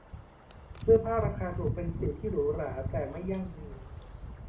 เสื้อผ้าราคาถูกเป็นสิ่งที่หรูหราแต่ไม่ยั่งยืน